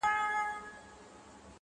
قافلې د سوداگرو يې لوټلې!!